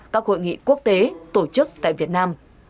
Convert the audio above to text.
các hội nghị quốc tế tổ chức tại việt nam